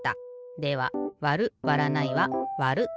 では「わる」「わらない」は「わる」だな。